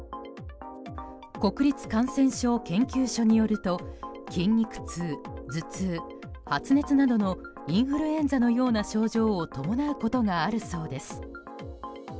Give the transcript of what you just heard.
国立感染症研究所によると筋肉痛、頭痛、発熱などのインフルエンザのような症状を伴うことがあるそうです。